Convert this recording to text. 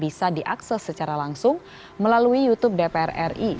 bisa diakses secara langsung melalui youtube dpr ri